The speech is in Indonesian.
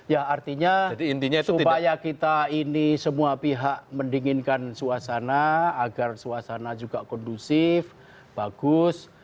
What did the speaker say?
ya artinya supaya kita ini semua pihak mendinginkan suasana agar suasana juga kondusif bagus